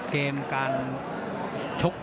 เกมการชก